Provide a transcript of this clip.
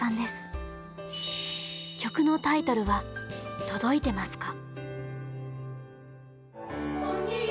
曲のタイトルは「とどいてますか」。